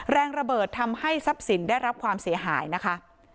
แรงระเบิดทำให้ทรัพย์สินได้รับความเสียหายนะคะ